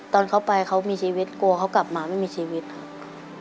ตอนเขาไปเขามีชีวิตกลัวเขากลับมาไม่มีชีวิตครับ